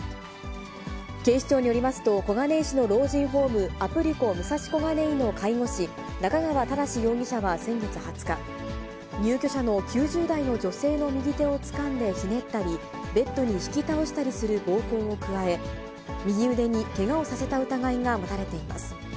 警視庁によりますと、小金井市の老人ホーム、アプリコ武蔵小金井の介護士、中川忠容疑者は先月２０日、入居者の９０代の女性の右手をつかんでひねったり、ベッドに引き倒したりする暴行を加え、右腕にけがをさせた疑いが持たれています。